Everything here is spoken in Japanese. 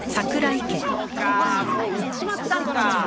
そうかもう売っちまったんか。